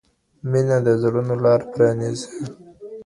مينه د زړونو لار پرانيزي.